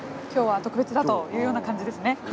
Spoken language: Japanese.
「今日は特別だ」というような感じですね。